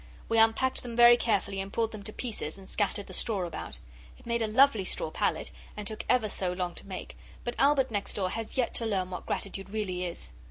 We unpacked them very carefully and pulled them to pieces and scattered the straw about. It made a lovely straw pallet, and took ever so long to make but Albert next door has yet to learn what gratitude really is.